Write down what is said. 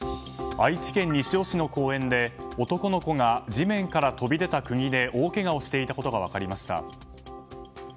愛知県西尾市の公園で男の子が地面から飛び出た釘で、大けがをしていたことが分かりました。